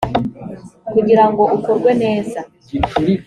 kugira ngo ukorwe neza